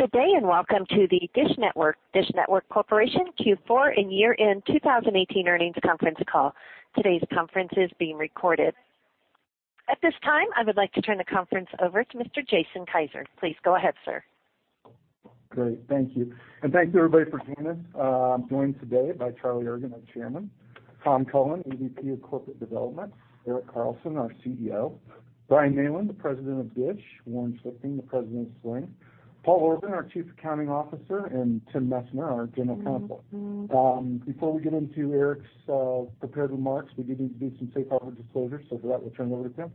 Good day, welcome to the DISH Network Corporation Q4 and year-end 2018 earnings conference call. Today's conference is being recorded. At this time, I would like to turn the conference over to Mr. Jason Kiser. Please go ahead, sir. Great. Thank you. Thanks to everybody for tuning in. I'm joined today by Charlie Ergen, our Chairman, Tom Cullen, Executive Vice President of Corporate Development, Erik Carlson, our Chief Executive Officer, Brian Neylon, Group President, DISH TV, Warren Schlichting, President of Sling TV, Paul Orban, our Chief Accounting Officer, and Timothy Messner, our General Counsel. Before we get into Erik's prepared remarks, we do need to do some safe harbor disclosures, so for that, we'll turn it over to Timothy.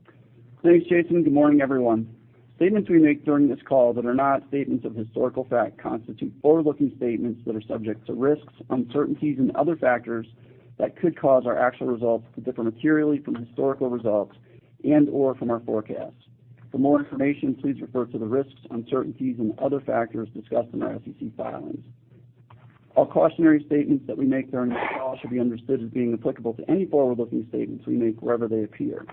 Thanks, Jason. Good morning, everyone. Statements we make during this call that are not statements of historical fact constitute forward-looking statements that are subject to risks, uncertainties, and other factors that could cause our actual results to differ materially from historical results and/or from our forecasts. For more information, please refer to the risks, uncertainties, and other factors discussed in our SEC filings. All cautionary statements that we make during this call should be understood as being applicable to any forward-looking statements we make wherever they appear.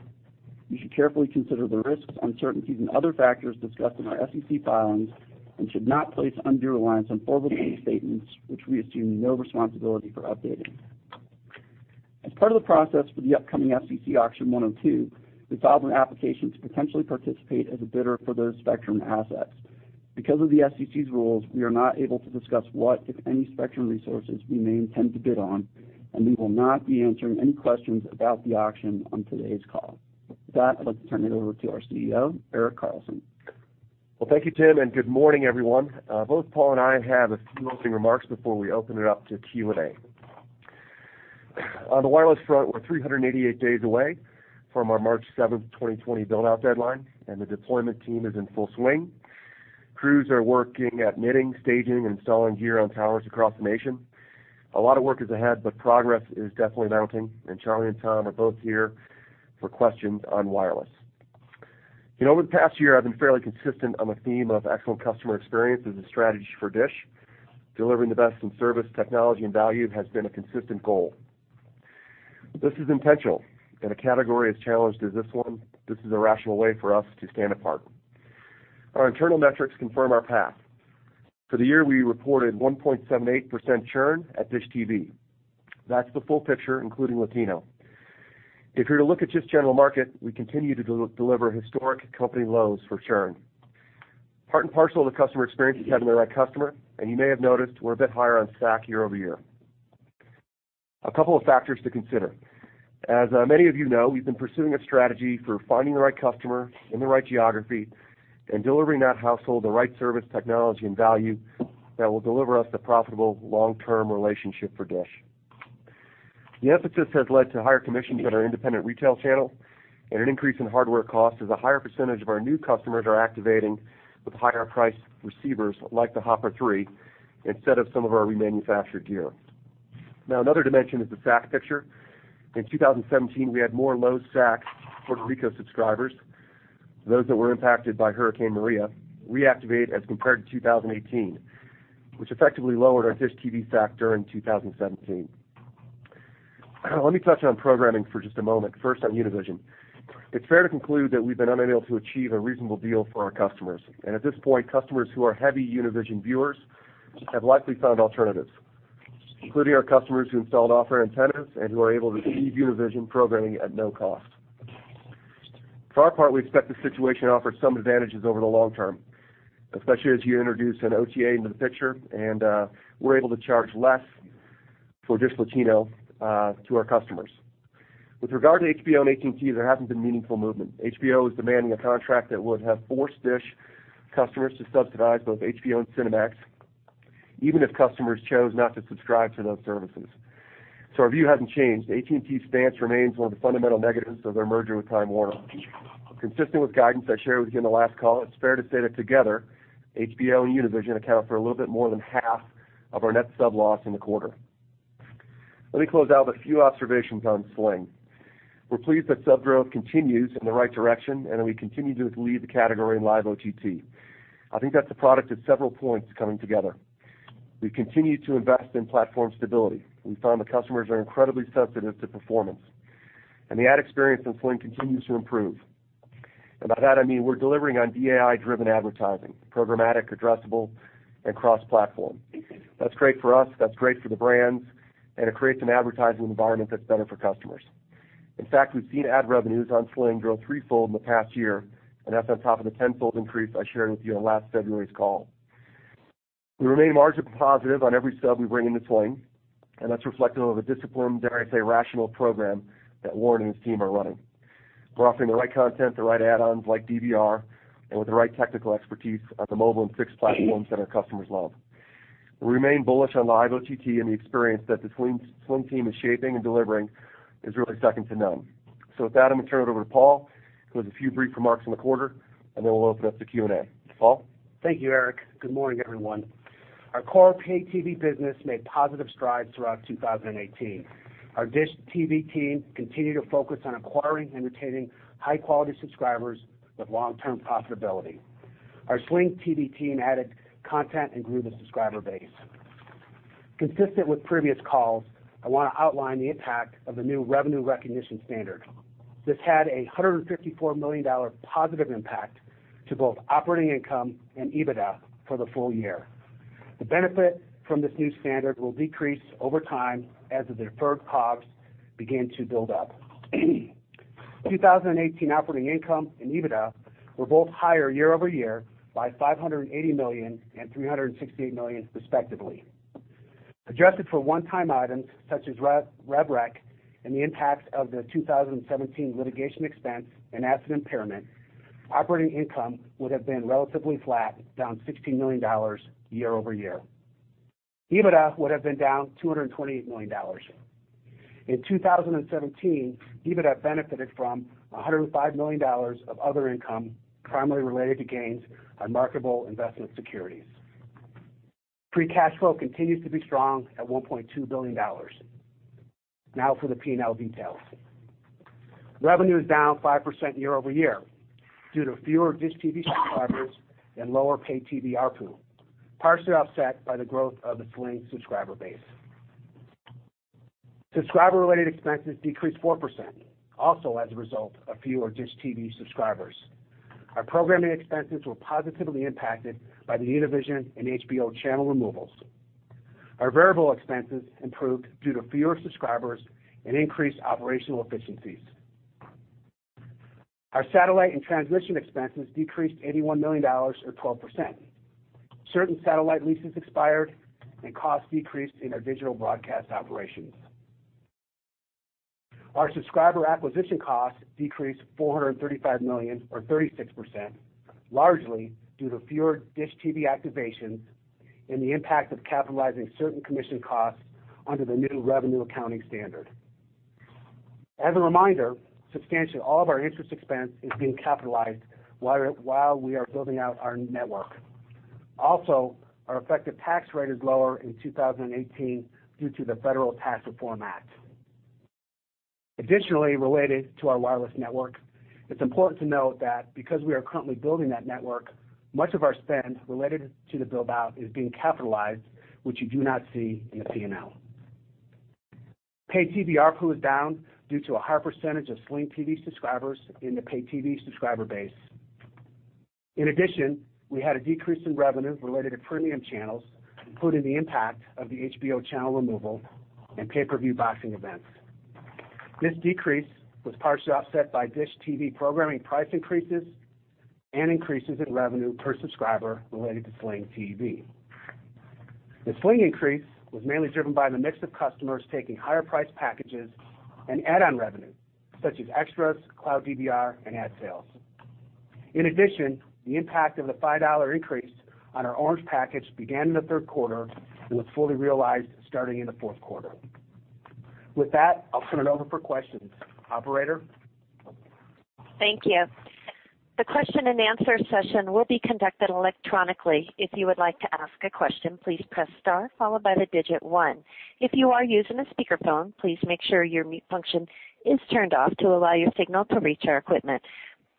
You should carefully consider the risks, uncertainties and other factors discussed in our SEC filings and should not place undue reliance on forward-looking statements which we assume no responsibility for updating. As part of the process for the upcoming FCC Auction 102, we filed an application to potentially participate as a bidder for those spectrum assets. Because of the FCC's rules, we are not able to discuss what, if any, spectrum resources we may intend to bid on, and we will not be answering any questions about the auction on today's call. With that, I'd like to turn it over to our Chief Executive Officer, Erik Carlson. Thank you, Tim, and good morning, everyone. Both Paul and I have a few opening remarks before we open it up to Q&A. On the wireless front, we're 388 days away from our March 7th, 2020 build-out deadline, and the deployment team is in full swing. Crews are working at knitting, staging, installing gear on towers across the nation. A lot of work is ahead, but progress is definitely mounting, and Charlie and Tom are both here for questions on wireless. You know, over the past year, I've been fairly consistent on the theme of excellent customer experience as a strategy for DISH. Delivering the best in service, technology and value has been a consistent goal. This is intentional. In a category as challenged as this one, this is a rational way for us to stand apart. Our internal metrics confirm our path. For the year, we reported 1.78% churn at DISH TV. That's the full picture, including DishLATINO. If you're to look at just general market, we continue to deliver historic company lows for churn. Part and parcel of the customer experience is having the right customer, and you may have noticed we're a bit higher on SAC year-over-year. A couple of factors to consider. As many of you know, we've been pursuing a strategy for finding the right customer in the right geography and delivering that household the right service, technology, and value that will deliver us the profitable long-term relationship for DISH. The emphasis has led to higher commissions at our independent retail channel and an increase in hardware costs as a higher percentage of our new customers are activating with higher priced receivers like the Hopper 3 instead of some of our remanufactured gear. Another dimension is the SAC picture. In 2017, we had more low SAC Puerto Rico subscribers, those that were impacted by Hurricane Maria, reactivate as compared to 2018, which effectively lowered our DISH TV SAC during 2017. Let me touch on programming for just a moment. First on Univision. It's fair to conclude that we've been unable to achieve a reasonable deal for our customers. At this point, customers who are heavy Univision viewers have likely found alternatives, including our customers who installed off-air antennas and who are able to receive Univision programming at no cost. For our part, we expect the situation offers some advantages over the long term, especially as you introduce an OTA into the picture and we're able to charge less for DishLATINO to our customers. With regard to HBO and AT&T, there hasn't been meaningful movement. HBO is demanding a contract that would have forced DISH customers to subsidize both HBO and Cinemax, even if customers chose not to subscribe to those services. Our view hasn't changed. AT&T's stance remains one of the fundamental negatives of their merger with Time Warner. Consistent with guidance I shared with you in the last call, it's fair to say that together, HBO and Univision account for a little bit more than half of our net sub-loss in the quarter. Let me close out with a few observations on Sling. We're pleased that sub growth continues in the right direction and that we continue to lead the category in live OTT. I think that's a product of several points coming together. We continue to invest in platform stability. We found that customers are incredibly sensitive to performance, and the ad experience on Sling continues to improve. By that, I mean we're delivering on DAI-driven advertising, programmatic, addressable, and cross-platform. That's great for us, that's great for the brands, and it creates an advertising environment that's better for customers. In fact, we've seen ad revenues on Sling grow three-fold in the past year, and that's on top of the 10-fold increase I shared with you on last February's call. We remain margin positive on every sub we bring into Sling, and that's reflective of a disciplined, dare I say, rational program that Warren and his team are running. We're offering the right content, the right add-ons like DVR, and with the right technical expertise on the mobile and fixed platforms that our customers love. We remain bullish on live OTT. The experience that the Sling team is shaping and delivering is really second to none. With that, I'm gonna turn it over to Paul who has a few brief remarks on the quarter, and then we'll open up to Q&A. Paul? Thank you, Erik. Good morning, everyone. Our core pay TV business made positive strides throughout 2018. Our DISH TV team continued to focus on acquiring and retaining high-quality subscribers with long-term profitability. Our Sling TV team added content and grew the subscriber base. Consistent with previous calls, I wanna outline the impact of the new revenue recognition standard. This had a $154 million positive impact to both operating income and EBITDA for the full year. The benefit from this new standard will decrease over time as the deferred COGS begin to build up. 2018 operating income and EBITDA were both higher year-over-year by $580 million and $368 million respectively. Adjusted for one-time items such as rev-rev rec and the impacts of the 2017 litigation expense and asset impairment, operating income would have been relatively flat, down $16 million year-over-year. EBITDA would have been down $228 million. In 2017, EBITDA benefited from $105 million of other income primarily related to gains on marketable investment securities. Free cash flow continues to be strong at $1.2 billion. Now for the P&L details. Revenue is down 5% year-over-year due to fewer DISH TV subscribers and lower pay TV ARPU, partially offset by the growth of the Sling subscriber base. Subscriber-related expenses decreased 4%, also as a result of fewer DISH TV subscribers. Our programming expenses were positively impacted by the Univision and HBO channel removals. Our variable expenses improved due to fewer subscribers and increased operational efficiencies. Our satellite and transmission expenses decreased $81 million or 12%. Certain satellite leases expired and costs decreased in our digital broadcast operations. Our subscriber acquisition costs decreased $435 million or 36%, largely due to fewer DISH TV activations and the impact of capitalizing certain commission costs under the new revenue accounting standard. As a reminder, substantially all of our interest expense is being capitalized while we are building out our network. Our effective tax rate is lower in 2018 due to the Federal Tax Reform Act. Related to our wireless network, it's important to note that because we are currently building that network, much of our spend related to the build-out is being capitalized, which you do not see in the P&L. Pay-TV ARPU is down due to a higher percentage of Sling TV subscribers in the Pay-TV subscriber base. In addition, we had a decrease in revenue related to premium channels, including the impact of the HBO channel removal and pay-per-view boxing events. This decrease was partially offset by DISH TV programming price increases and increases in revenue per subscriber related to Sling TV. The Sling increase was mainly driven by the mix of customers taking higher priced packages and add-on revenue such as extras, Cloud DVR, and ad sales. In addition, the impact of the $5 increase on our Orange package began in the third quarter and was fully realized starting in the fourth quarter. With that, I'll turn it over for questions. Operator? Thank you. The question and answer session will be conducted electronically. If you would like to ask a question, please press star followed by the digit one. If you are using a speakerphone, please make sure your mute function is turned off to allow your signal to reach our equipment.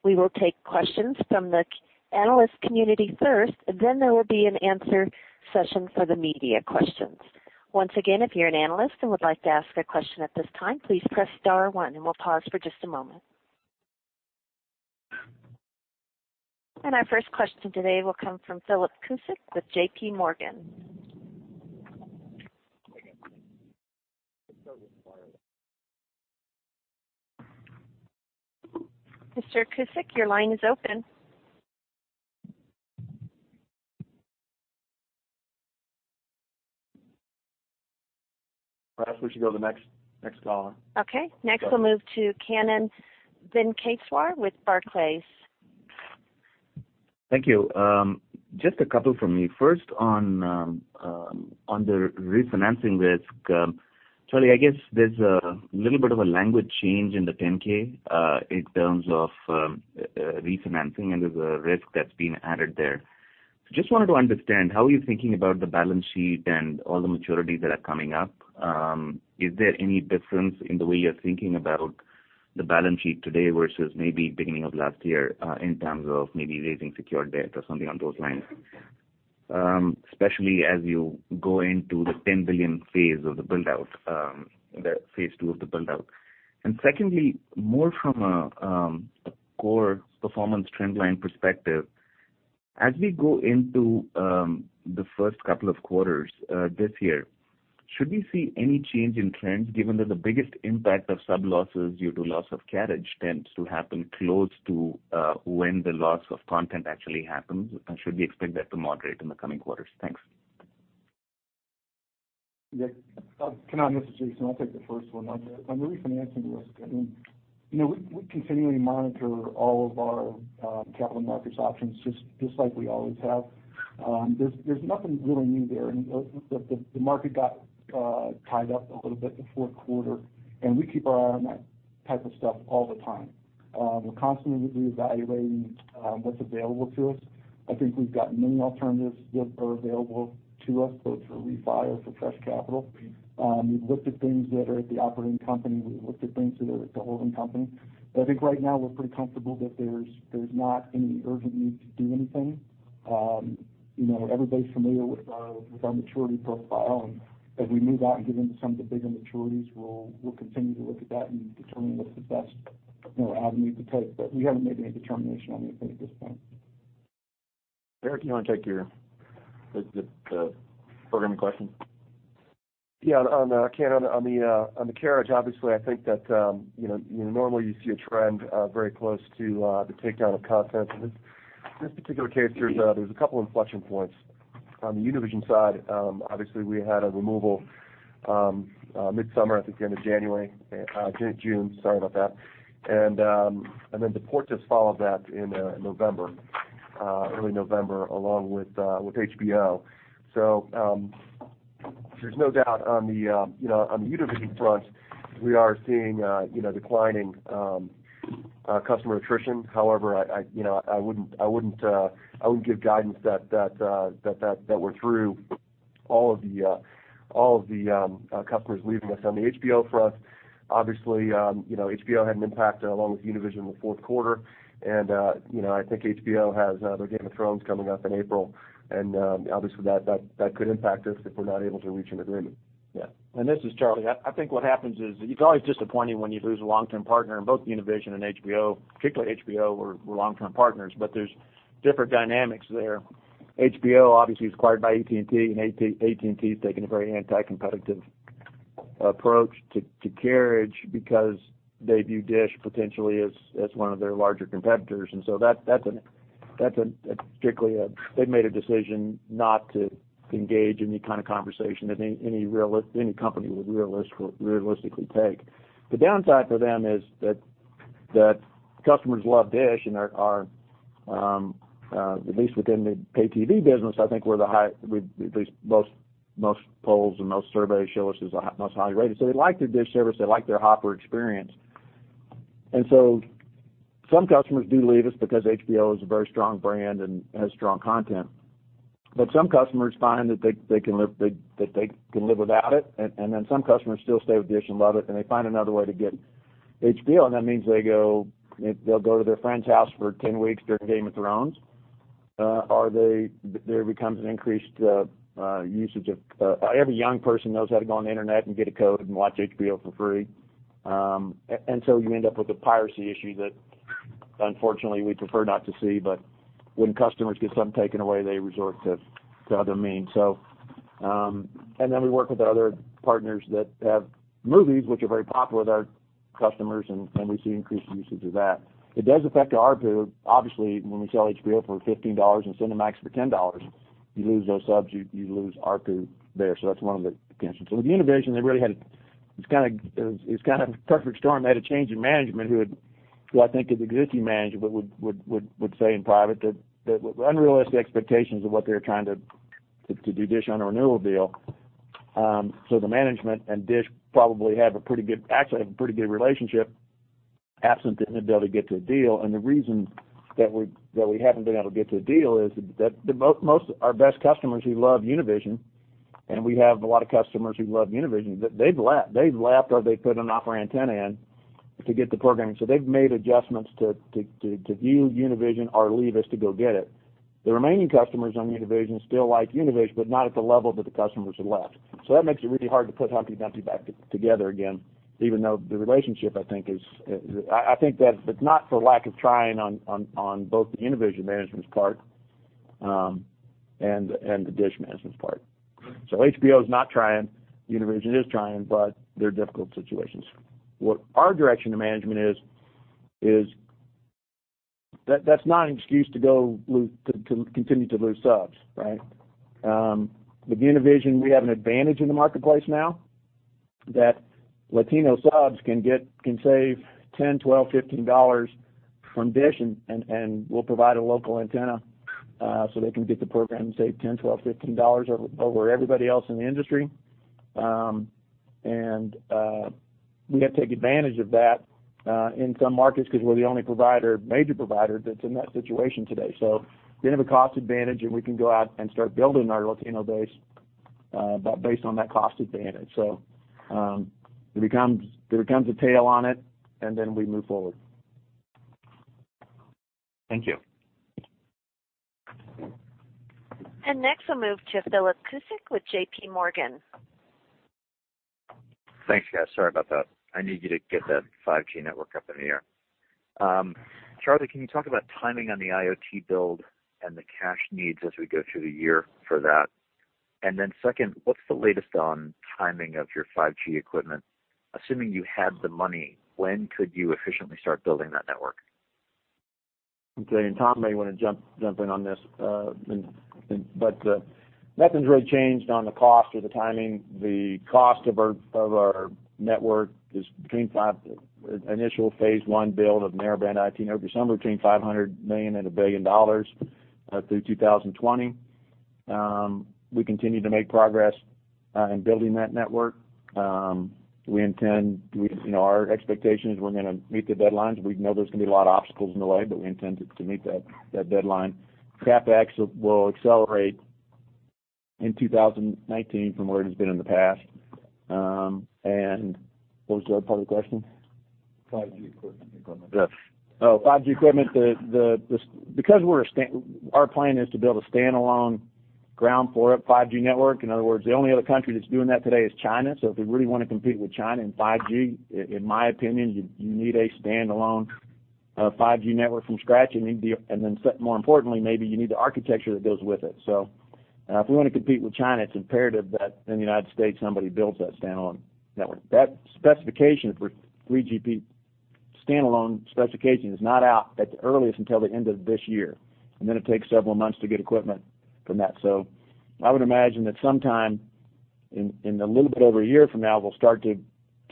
We will take questions from the analyst community first, then there will be an answer session for the media questions. If you're an analyst and would like to ask a question at this time, please press star one and we'll pause for just a moment. Our first question today will come from Philip Cusick with JPMorgan. Mr. Cusick, your line is open. Perhaps we should go to the next caller. Okay. Next we'll move to Kannan Venkateshwar with Barclays. Thank you. Just a couple from me. First, on the refinancing risk, Charlie, I guess there's a little bit of a language change in the 10-K in terms of refinancing and there's a risk that's been added there. Just wanted to understand how you're thinking about the balance sheet and all the maturities that are coming up. Is there any difference in the way you're thinking about the balance sheet today versus maybe beginning of last year in terms of maybe raising secured debt or something along those lines? Especially as you go into the $10 billion phase of the build out, the phase II of the build out. Secondly, more from a core performance trend line perspective. As we go into the first couple of quarters this year, should we see any change in trends given that the biggest impact of sub-losses due to loss of carriage tends to happen close to when the loss of content actually happens? Should we expect that to moderate in the coming quarters? Thanks. Kannan, this is Jason, I'll take the first one. On the refinancing risk, I mean, you know, we continually monitor all of our capital markets options just like we always have. There's nothing really new there. The market got tied up a little bit the fourth quarter, and we keep our eye on that type of stuff all the time. We're constantly reevaluating what's available to us. I think we've got many alternatives that are available to us, both for refi or for fresh capital. We've looked at things that are at the operating company. We've looked at things that are at the holding company. I think right now we're pretty comfortable that there's not any urgent need to do anything. You know, everybody's familiar with our maturity profile. As we move out and get into some of the bigger maturities, we'll continue to look at that and determine what's the best, you know, avenue to take. We haven't made any determination on anything at this point. Erik, you wanna take the programming question? Yeah. On, Kannan, on the carriage, obviously, I think that, you know, normally you see a trend very close to the takedown of content. In this particular case, there's a couple inflection points. On the Univision side, obviously, we had a removal mid-summer at the end of January, June, sorry about that. Then Deportes just followed that in November, early November, along with HBO. There's no doubt on the, you know, on the Univision front, we are seeing, you know, declining customer attrition. However, I, you know, I wouldn't, I wouldn't give guidance that we're through all of the customers leaving us. On the HBO front, obviously, you know, HBO had an impact along with Univision in the fourth quarter. You know, I think HBO has their Game of Thrones coming up in April. Obviously that could impact us if we're not able to reach an agreement. This is Charlie. I think what happens is it's always disappointing when you lose a long-term partner in both Univision and HBO, particularly HBO, we're long-term partners, but there's different dynamics there. HBO obviously is acquired by AT&T, AT&T has taken a very anti-competitive approach to carriage because they view DISH potentially as one of their larger competitors. They've made a decision not to engage in any kind of conversation that any company would realistically take. The downside for them is that customers love DISH and are at least within the Pay-TV business, at least most polls and most surveys show us as the highest rated. They like their DISH service, they like their Hopper experience. Some customers do leave us because HBO is a very strong brand and has strong content. Some customers find that they can live without it, and then some customers still stay with DISH and love it, and they find another way to get HBO, and that means they go, they'll go to their friend's house for 10 weeks during Game of Thrones. There becomes an increased usage of Every young person knows how to go on the Internet and get a code and watch HBO for free. You end up with a piracy issue that unfortunately we prefer not to see. When customers get something taken away, they resort to other means. And then we work with our other partners that have movies, which are very popular with our customers, and we see increased usage of that. It does affect our ARPU. Obviously, when we sell HBO for $15 and Cinemax for $10, you lose those subs, you lose ARPU there. That's one of the concerns. With Univision, it was kind of a perfect storm. They had a change in management who I think the existing management would say in private that unrealistic expectations of what they were trying to do DISH on a renewal deal. The management and DISH probably actually have a pretty good relationship absent the inability to get to a deal. The reason that we haven't been able to get to a deal is that most our best customers who love Univision, and we have a lot of customers who love Univision, they've left. They've left or they put an OTA antenna in to get the programming. They've made adjustments to view Univision or leave us to go get it. The remaining customers on Univision still like Univision, but not at the level that the customers have left. That makes it really hard to put Humpty Dumpty back together again, even though the relationship, I think is, I think that, but not for lack of trying on both the Univision management's part, and the DISH management's part. HBO is not trying, Univision is trying, but they're difficult situations. What our direction to management is, that's not an excuse to go continue to lose subs, right? With Univision, we have an advantage in the marketplace now that Latino subs can save $10, $12, $15 from DISH, and we'll provide a local antenna, so they can get the program and save $10, $12, $15 over everybody else in the industry. We have to take advantage of that in some markets because we're the only provider, major provider that's in that situation today. We have a cost advantage, and we can go out and start building our Latino base based on that cost advantage. There becomes a tail on it, we move forward. Thank you. Next, we'll move to Philip Cusick with JPMorgan. Thanks, guys. Sorry about that. I need you to get that 5G network up in here. Charlie, can you talk about timing on the IoT build and the cash needs as we go through the year for that? Second, what's the latest on timing of your 5G equipment? Assuming you had the money, when could you efficiently start building that network? Tom may wanna jump in on this. Nothing's really changed on the cost or the timing. The cost of our, of our network is between Initial phase one build of Narrowband IoT over summer, between $500 million and $1 billion through 2020. We continue to make progress in building that network. You know, our expectation is we're gonna meet the deadlines. We know there's gonna be a lot of obstacles in the way, but we intend to meet that deadline. CapEx will accelerate in 2019 from where it has been in the past. What was the other part of the question? 5G equipment. Yes. Oh, 5G equipment. Our plan is to build a standalone ground-up 5G network. In other words, the only other country that's doing that today is China. If we really wanna compete with China in 5G, in my opinion, you need a standalone 5G network from scratch. More importantly, maybe you need the architecture that goes with it. If we wanna compete with China, it's imperative that in the United States somebody builds that standalone network. That specification for 3GPP standalone specification is not out at the earliest until the end of this year, and then it takes several months to get equipment from that. I would imagine that sometime in a little bit over a year from now, we'll start to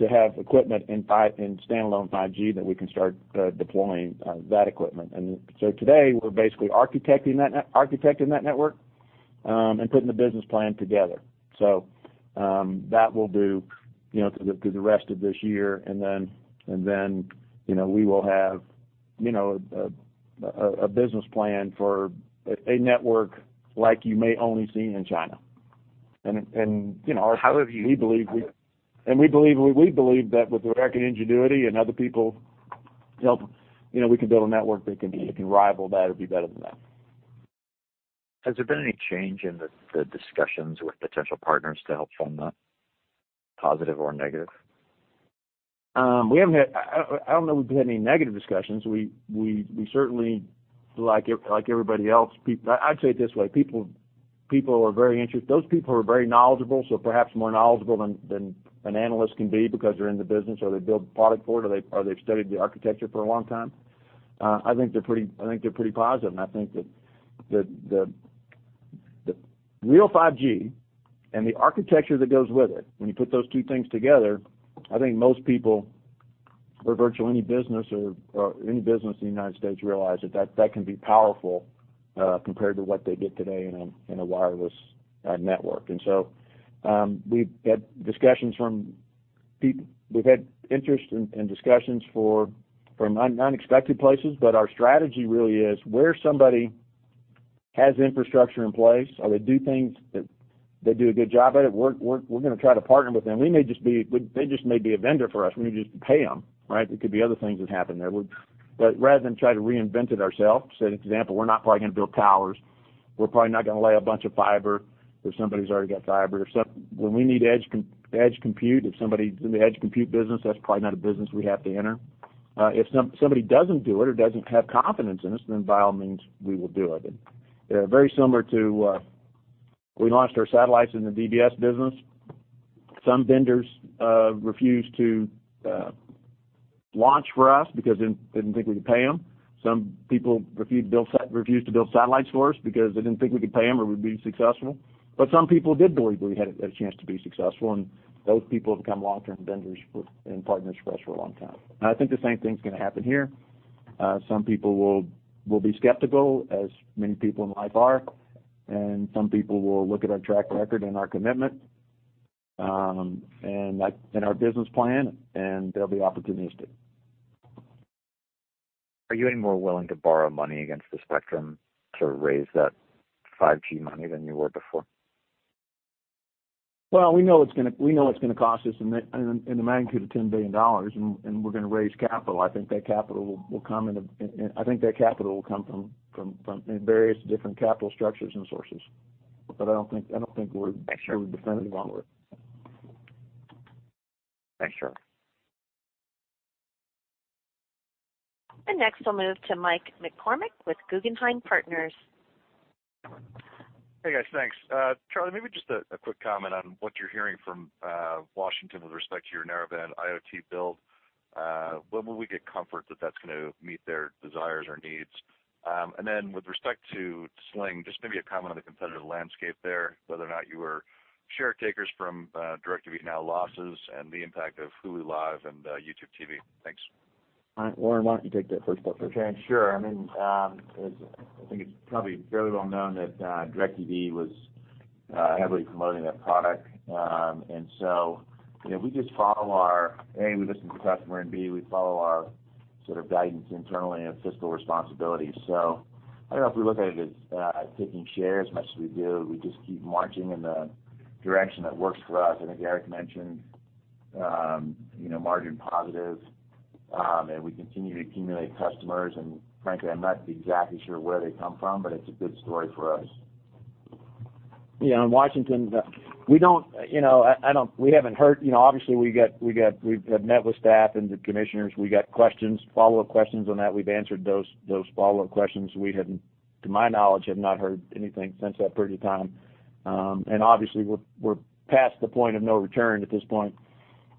have equipment in standalone 5G that we can start deploying that equipment. Today, we're basically architecting that network and putting the business plan together. That will do, you know, through the rest of this year. Then, you know, we will have, you know, a business plan for a network like you may only see in China. How have you- We believe that with American ingenuity and other people help, you know, we can build a network that can rival that or be better than that. Has there been any change in the discussions with potential partners to help fund that, positive or negative? We haven't had I don't know if we've had any negative discussions. We certainly like like everybody else, I'd say it this way, people are very knowledgeable, perhaps more knowledgeable than an analyst can be because they're in the business, or they build product for it, or they've studied the architecture for a long time. I think they're pretty positive, I think that the real 5G and the architecture that goes with it, when you put those two things together, I think most people or virtually any business or any business in the U.S. realize that that can be powerful compared to what they get today in a wireless network. We've had interest in discussions for unexpected places. Our strategy really is where somebody has infrastructure in place or they do things that they do a good job at it, we're gonna try to partner with them. They just may be a vendor for us. We may just pay them, right? There could be other things that happen there. Rather than try to reinvent it ourselves, set an example, we're not probably gonna build towers. We're probably not gonna lay a bunch of fiber if somebody's already got fiber. When we need edge compute, if somebody's in the edge compute business, that's probably not a business we have to enter. If somebody doesn't do it or doesn't have confidence in us, then by all means, we will do it. You know, very similar to, we launched our satellites in the DBS business. Some vendors refused to launch for us because they didn't think we could pay them. Some people refused to build satellites for us because they didn't think we could pay them or we'd be successful. Some people did believe we had a chance to be successful, and those people have become long-term vendors for, and partners for us for a long time. I think the same thing's gonna happen here. Some people will be skeptical, as many people in life are, and some people will look at our track record and our commitment, like, and our business plan, and they'll be opportunistic. Are you any more willing to borrow money against the spectrum to raise that 5G money than you were before? Well, we know it's gonna cost us in the magnitude of $10 billion, and we're gonna raise capital. I think that capital will come from in various different capital structures and sources. I don't think. Sure. Definitely wrong route. Thanks, Charlie. Next, we'll move to Michael McCormack with Guggenheim Partners. Hey, guys. Thanks. Charlie, maybe just a quick comment on what you're hearing from Washington with respect to your Narrowband IoT build. When will we get comfort that that's gonna meet their desires or needs? And then with respect to Sling, just maybe a comment on the competitive landscape there, whether or not you were share takers from DIRECTV NOW losses and the impact of Hulu Live and YouTube TV. Thanks. All right. Warren, why don't you take that first part first? Okay. Sure. I mean, I think it's probably fairly well known that DIRECTV was heavily promoting that product. You know, we just follow our, A, we listen to customer, and B, we follow our sort of guidance internally of fiscal responsibility. I don't know if we look at it as taking share as much as we do, we just keep marching in the direction that works for us. I think Erik mentioned, you know, margin positive, we continue to accumulate customers. I'm not exactly sure where they come from, but it's a good story for us. Yeah, in Washington, we don't, you know, we haven't heard. You know, obviously we've met with staff and the commissioners. We got questions, follow-up questions on that. We've answered those follow-up questions. We haven't, to my knowledge, have not heard anything since that pretty time. Obviously, we're past the point of no return at this point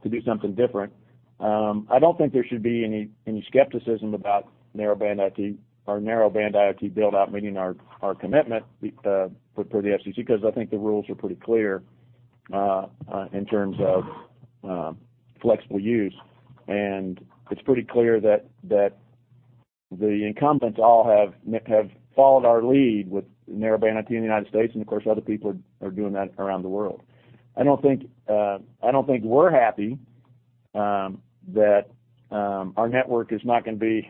to do something different. I don't think there should be any skepticism about Narrowband IoT or Narrowband IoT build out meeting our commitment for the FCC, because I think the rules are pretty clear in terms of flexible use. It's pretty clear that the incumbents all have followed our lead with Narrowband IoT in the United States, and of course, other people are doing that around the world. I don't think, I don't think we're happy that our network is not gonna be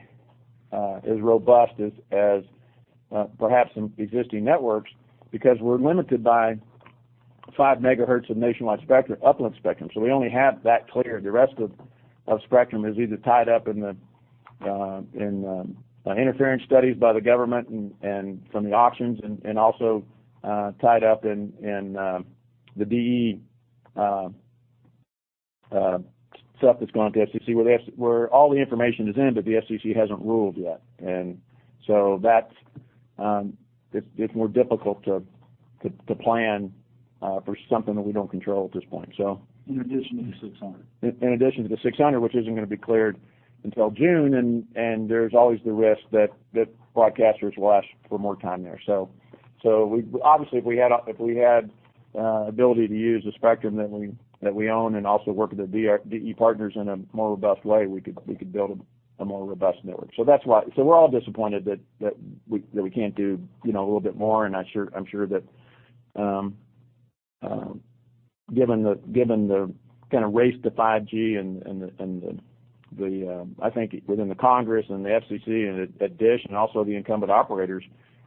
as robust as perhaps some existing networks, because we're limited by 5 MHz of nationwide spectrum, uplink spectrum. We only have that clear. The rest of spectrum is either tied up in the interference studies by the government and from the auctions and also tied up in the DE stuff that's going to FCC where all the information is in, but the FCC hasn't ruled yet. That's, it's more difficult to plan for something that we don't control at this point. In addition to the 600. In addition to the 600, which isn't gonna be cleared until June, and there's always the risk that broadcasters will ask for more time there. Obviously, if we had ability to use the spectrum that we own and also work with the DE partners in a more robust way, we could build a more robust network. That's why. We're all disappointed that we can't do, you know, a little bit more, and I'm sure, I'm sure that, given the kinda race to 5G and the, and the, I think within the Congress and the FCC and at DISH and also the incumbent operators,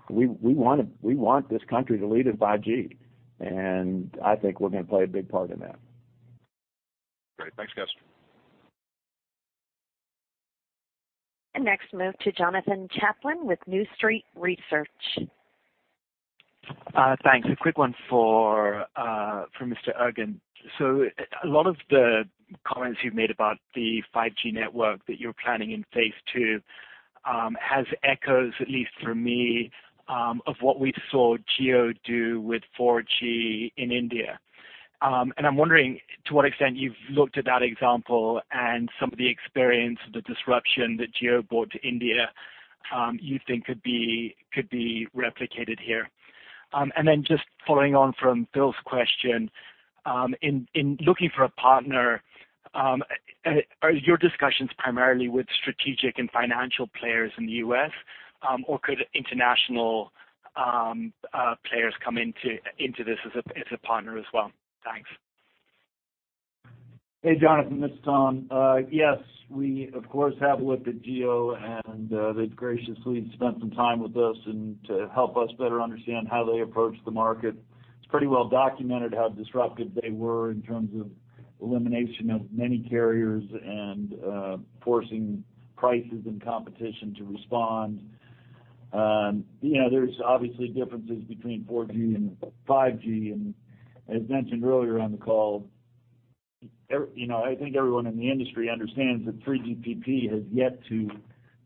we want this country to lead in 5G, and I think we're gonna play a big part in that. Great. Thanks, guys. Next, move to Jonathan Chaplin with New Street Research. Thanks. A quick one for Mr. Ergen. A lot of the comments you've made about the 5G network that you're planning in phase two, has echoes, at least for me, of what we saw Jio do with 4G in India. I'm wondering to what extent you've looked at that example and some of the experience, the disruption that Jio brought to India, you think could be replicated here. Just following on from Phil's question, in looking for a partner, are your discussions primarily with strategic and financial players in the U.S., or could international players come into this as a partner as well? Thanks. Hey, Jonathan, this is Tom. Yes, we, of course, have looked at Jio and they've graciously spent some time with us and to help us better understand how they approach the market. It's pretty well documented how disruptive they were in terms of elimination of many carriers and forcing prices and competition to respond. You know, there's obviously differences between 4G and 5G. As mentioned earlier on the call, you know, I think everyone in the industry understands that 3GPP has yet to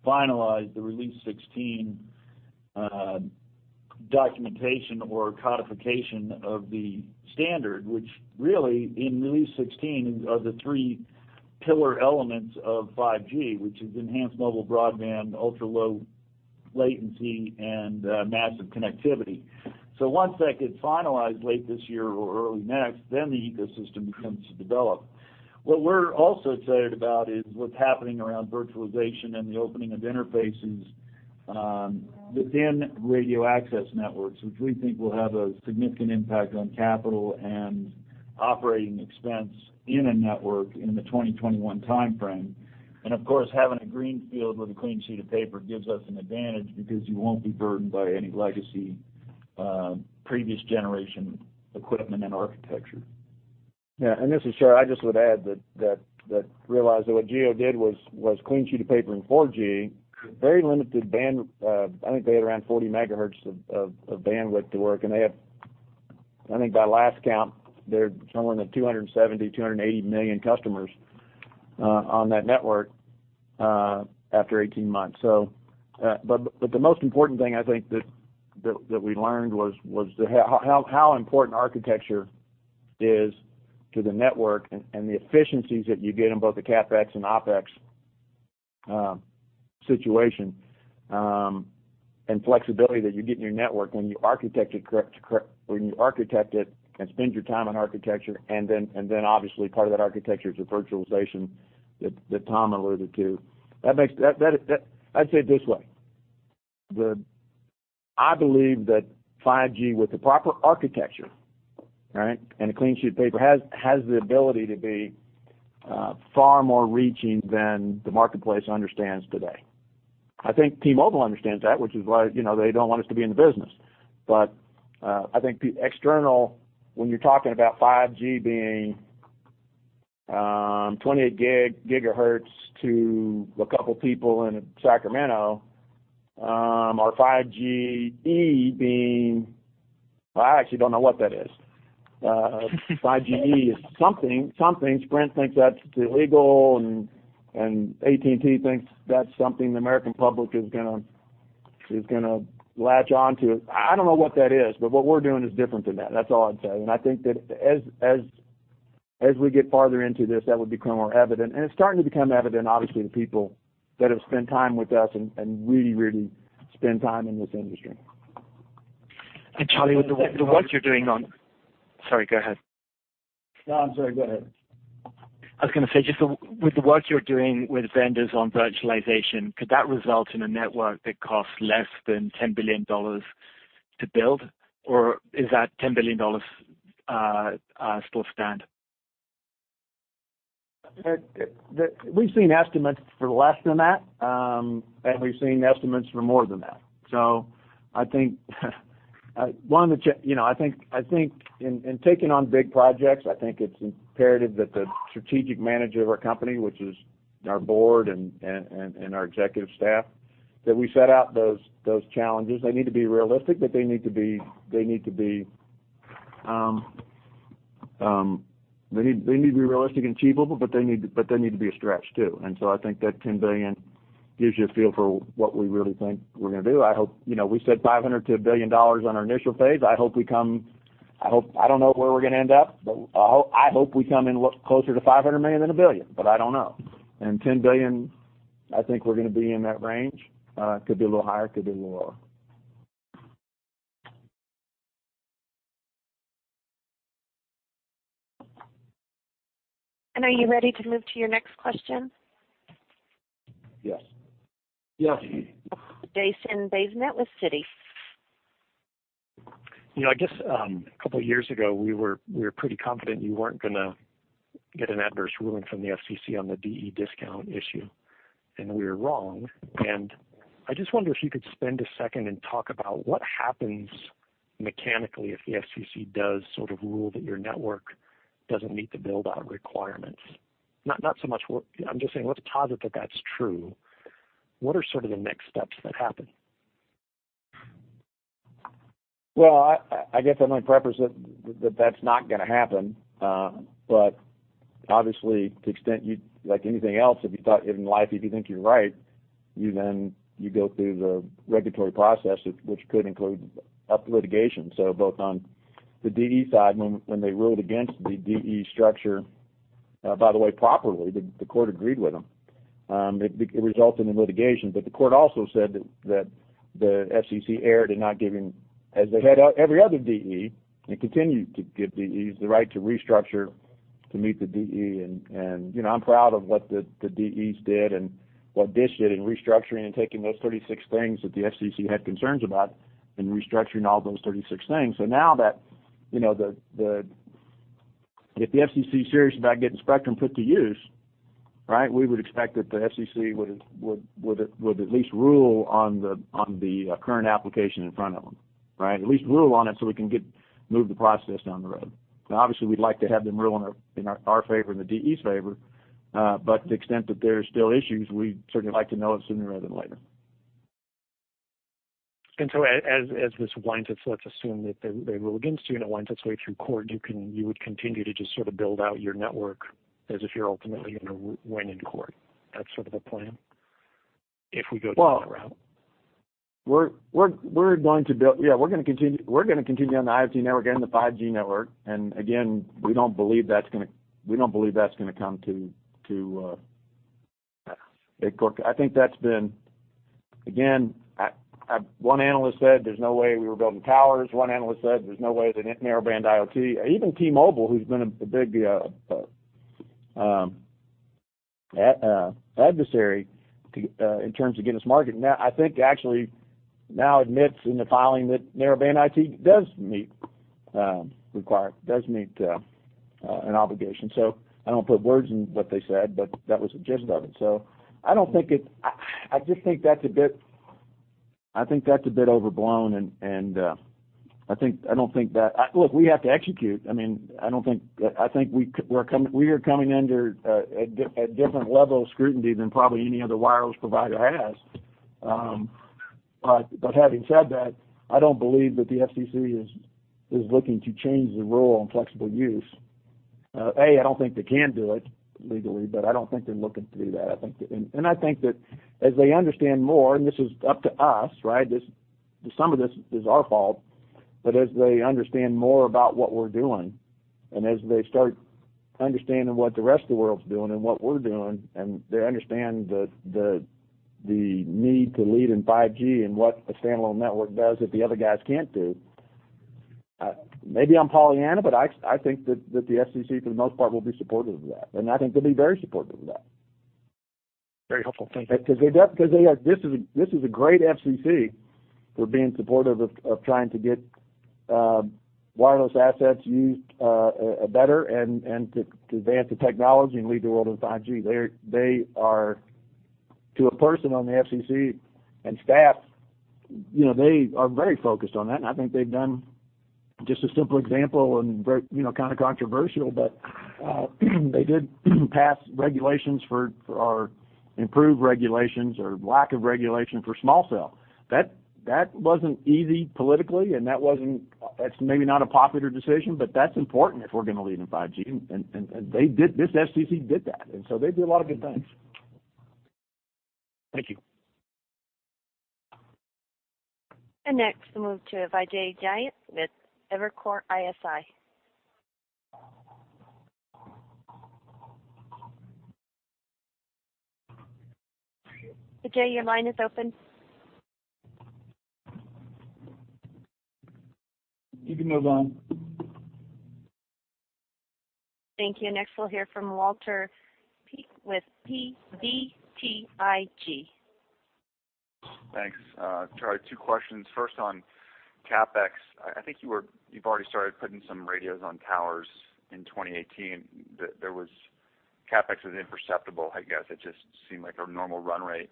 finalize the Release 16 documentation or codification of the standard, which really in Release 16 are the three pillar elements of 5G, which is enhanced mobile broadband, ultra-low latency, and massive connectivity. Once that gets finalized late this year or early next, then the ecosystem begins to develop. What we're also excited about is what's happening around virtualization and the opening of interfaces within radio access networks, which we think will have a significant impact on capital and operating expense in a network in the 2021 timeframe. Of course, having a greenfield with a clean sheet of paper gives us an advantage because you won't be burdened by any legacy previous generation equipment and architecture. This is Charlie. I just would add that realize that what Jio did was clean sheet of paper in 4G, very limited band. I think they had around 40 MHz of bandwidth to work, and I think by last count, they're somewhere in the 270 million-280 million customers on that network after 18 months. But the most important thing I think that we learned was how important architecture is to the network and the efficiencies that you get in both the CapEx and OpEx situation and flexibility that you get in your network when you architect it correct, when you architect it and spend your time on architecture, and then obviously part of that architecture is the virtualization that Tom alluded to. That I'd say it this way. I believe that 5G with the proper architecture, right? And a clean sheet of paper has the ability to be far more reaching than the marketplace understands today. I think T-Mobile understands that, which is why, you know, they don't want us to be in the business. I think the external, when you're talking about 5G being 28 GHz to a couple people in Sacramento, or 5G E being. Well, I actually don't know what that is. 5G E is something Sprint thinks that's illegal and AT&T thinks that's something the American public is gonna latch on to. I don't know what that is, but what we're doing is different than that. That's all I'd say. I think that as we get farther into this, that would become more evident. It's starting to become evident, obviously, the people that have spent time with us and really spend time in this industry. Charlie, with the work you're doing on. Sorry, go ahead. No, I'm sorry. Go ahead. I was gonna say, just with the work you're doing with vendors on virtualization, could that result in a network that costs less than $10 billion to build? Or is that $10 billion still stand? We've seen estimates for less than that, and we've seen estimates for more than that. I think one of the you know, I think in taking on big projects, I think it's imperative that the strategic manager of our company, which is our board and our executive staff, that we set out those challenges. They need to be realistic, but they need to be realistic and achievable, but they need to be a stretch, too. I think that $10 billion gives you a feel for what we really think we're gonna do. I hope, you know, we said $500 million-$1 billion on our initial phase. I don't know where we're gonna end up, but I hope we come in closer to $500 million than $1 billion, but I don't know. $10 billion, I think we're gonna be in that range. Could be a little higher, could be a little lower. Are you ready to move to your next question? Yes. Yes. Jason Bazinet with Citi. You know, I guess, a couple years ago, we were pretty confident you weren't gonna get an adverse ruling from the FCC on the DE discount issue. We were wrong. I just wonder if you could spend one second and talk about what happens mechanically if the FCC does sort of rule that your network doesn't meet the build-out requirements. I'm just saying, let's posit that that's true. What are sort of the next steps that happen? I guess I might preface that that's not gonna happen. Obviously, to extent like anything else, if you think you're right, then you go through the regulatory process, which could include litigation. Both on the DE side, when they ruled against the DE structure, by the way, properly, the court agreed with them. It resulted in litigation. The court also said that the FCC erred in not giving, as they had every other DE and continued to give DEs the right to restructure, to meet the DE, you know, I'm proud of what the DEs did and what DISH did in restructuring and taking those 36 things that the FCC had concerns about and restructuring all those 36 things. Now that, you know, if the FCC is serious about getting spectrum put to use, right? We would expect that the FCC would at least rule on the current application in front of them, right? At least rule on it so we can move the process down the road. Obviously, we'd like to have them rule in our favor, in the DE's favor, but to the extent that there are still issues, we'd certainly like to know it sooner rather than later. Let's assume that they rule against you, and it winds its way through court, you would continue to just sort of build out your network as if you're ultimately gonna win in court. That's sort of the plan if we go down that route? Well, we're going to build. Yeah, we're gonna continue on the IoT network and the 5G network. Again, we don't believe that's gonna come to a court. I think that's been Again, one analyst said there's no way we were building towers. One analyst said there's no way the Narrowband IoT. Even T-Mobile, who's been a big adversary in terms of getting this market. Now, I think actually now admits in the filing that Narrowband IoT does meet, does meet an obligation. I don't put words in what they said, but that was the gist of it. I don't think it. I just think that's a bit overblown. I don't think that. Look, we have to execute. I mean, I think we are coming under a different level of scrutiny than probably any other wireless provider has. But, having said that, I don't believe that the FCC is looking to change the rule on flexible use. A. I don't think they can do it legally, but I don't think they're looking to do that. I think that as they understand more, and this is up to us, right? This. Some of this is our fault. As they understand more about what we're doing, and as they start understanding what the rest of the world is doing and what we're doing, and they understand the need to lead in 5G and what a standalone network does that the other guys can't do, maybe I'm Pollyanna, but I think that the FCC, for the most part, will be supportive of that, and I think they'll be very supportive of that. Very helpful. Thank you. This is a great FCC for being supportive of trying to get wireless assets used better and to advance the technology and lead the world into 5G. They're, they are, to a person on the FCC and staff, you know, they are very focused on that, and I think they've done just a simple example and very, you know, kind of controversial, but they did pass regulations for or improve regulations or lack of regulation for small cell. That wasn't easy politically, and that wasn't, that's maybe not a popular decision, but that's important if we're gonna lead in 5G. This FCC did that, they do a lot of good things. Thank you. Next, we'll move to Vijay Jayant with Evercore ISI. Vijay, your line is open. You can move on. Thank you. Next, we'll hear from Walter Piecyk with BTIG. Thanks, Charlie, two questions. First on CapEx. I think you've already started putting some radios on towers in 2018. There was CapEx was imperceptible, I guess it just seemed like a normal run rate.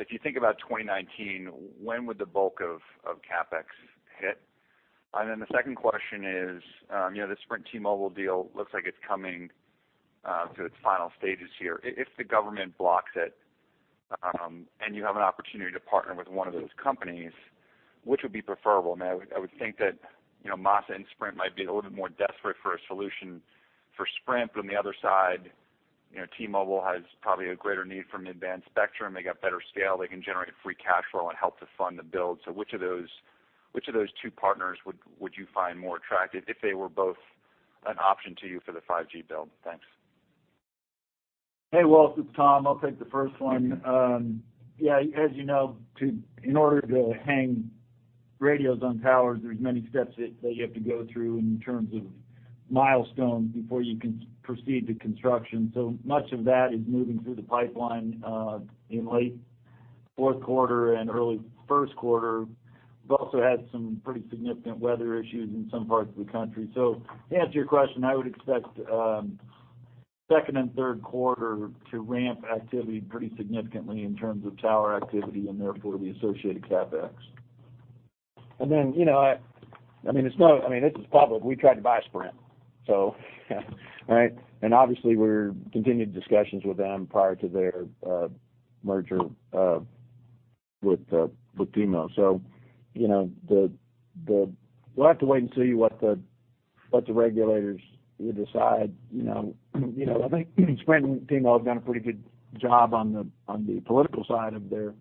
If you think about 2019, when would the bulk of CapEx hit? The second question is, you know, the Sprint T-Mobile deal looks like it's coming to its final stages here. If the government blocks it, and you have an opportunity to partner with one of those companies, which would be preferable? I mean, I would think that, you know, Masa and Sprint might be a little bit more desperate for a solution for Sprint, but on the other side, you know, T-Mobile has probably a greater need for mid-band spectrum. They got better scale, they can generate free cash flow and help to fund the build. Which of those two partners would you find more attractive if they were both an option to you for the 5G build? Thanks. Hey, Walt, this is Tom. I'll take the first one. Yeah, as you know, in order to hang radios on towers, there's many steps that you have to go through in terms of milestones before you can proceed to construction. Much of that is moving through the pipeline in late fourth quarter and early first quarter. We've also had some pretty significant weather issues in some parts of the country. To answer your question, I would expect second and third quarter to ramp activity pretty significantly in terms of tower activity and therefore the associated CapEx. You know, I mean, this is public. We tried to buy Sprint, so right? Obviously we're continuing discussions with them prior to their merger with T-Mobile. You know, we'll have to wait and see what the, what the regulators will decide, you know? You know, I think Sprint and T-Mobile have done a pretty good job on the, on the political side of their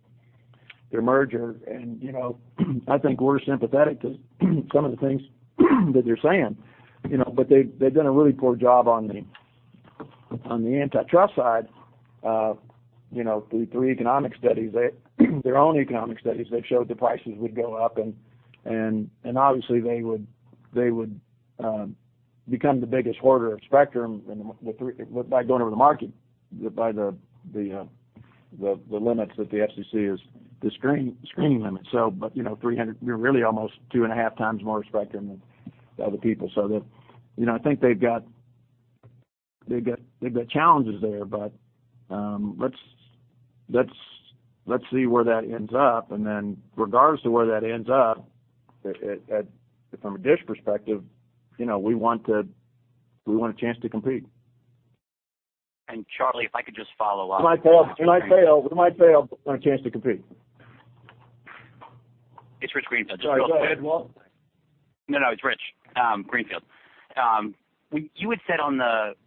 merger. You know, I think we're sympathetic to some of the things that they're saying, you know. They, they've done a really poor job on the, on the antitrust side, you know, through three economic studies. Their own economic studies, they've showed the prices would go up and obviously they would, they would become the biggest hoarder of spectrum by going over the market, the limits that the FCC is screening limits. You know, 300, we're really almost 2.5x more spectrum than other people. You know, I think they've got challenges there. Let's see where that ends up. Regardless of where that ends up, from a DISH perspective, you know, we want to, we want a chance to compete. Charlie, if I could just follow up. We might fail. We might fail, we might fail on a chance to compete. It's Rich Greenfield. Sorry, go ahead, Walt. No, no, it's Rich Greenfield. You had said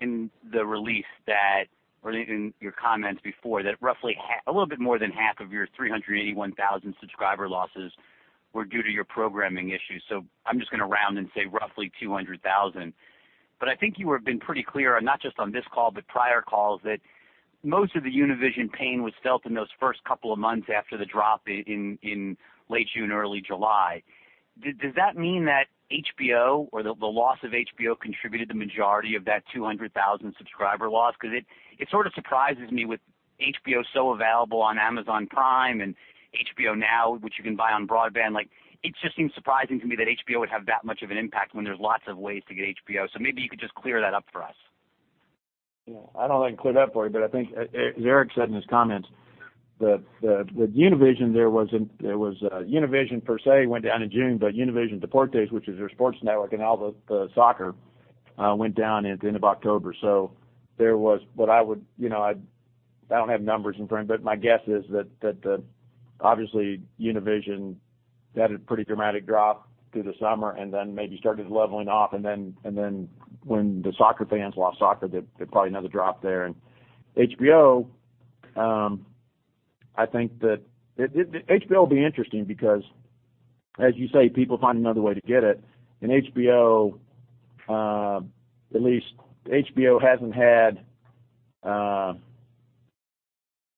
in the release that, or in your comments before that roughly a little bit more than half of your 381,000 subscriber losses were due to your programming issues. I'm just gonna round and say roughly 200,000. I think you have been pretty clear, and not just on this call, but prior calls, that most of the Univision pain was felt in those first couple of months after the drop in late June, early July. Does that mean that HBO or the loss of HBO contributed the majority of that 200,000 subscriber loss? It sort of surprises me with HBO so available on Amazon Prime and HBO Now, which you can buy on broadband. Like it just seems surprising to me that HBO would have that much of an impact when there's lots of ways to get HBO. Maybe you could just clear that up for us? Yeah. I don't know I can clear it up for you, but I think as Erik said in his comments that Univision there was Univision per se went down in June, Univision Deportes, which is their sports network, and all the soccer went down at the end of October. You know, I don't have numbers in front of me, but my guess is that obviously Univision had a pretty dramatic drop through the summer and then maybe started leveling off. Then when the soccer fans lost soccer, there'd probably another drop there. HBO, I think that HBO will be interesting because, as you say, people find another way to get it. HBO, at least HBO hasn't had